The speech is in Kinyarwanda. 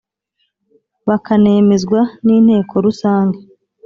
bakanemezwa n inteko rusange